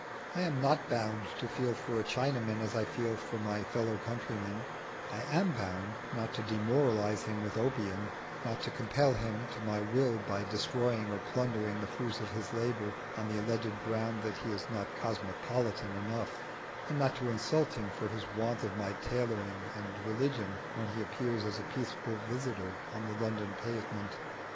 I am not bound to feel for a Chinaman as I feel for my fellow countryman: I am bound not to demoralise him with opium, not to compel him to my will by destroying or plundering the fruits of his labour on the alleged ground that he is not cosmopolitan enough, and not to insult him for his want of my tailoring and religion when he appears as a peaceable visitor on the London pavement.